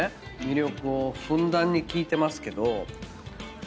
魅力をふんだんに聞いてますけど。